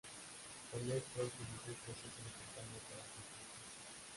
Con esto, se inició el proceso de campaña para el distrito.